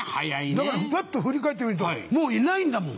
だからぱっと振り返ってみるともういないんだもん。